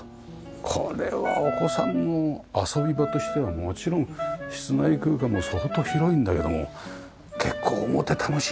これはお子さんの遊び場としてはもちろん室内空間も相当広いんだけども結構表楽しいから。